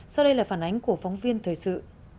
sau đây là phản ánh của phóng viên thời sự